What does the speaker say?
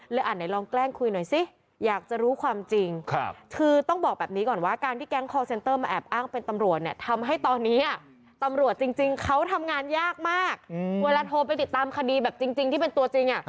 เวลาโทรไปติดตามคดีแบบจริงที่เป็นตัวจริง